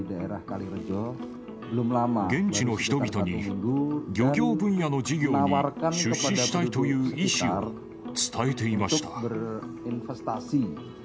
現地の人々に漁業分野の事業に出資したいという意思を伝えていました。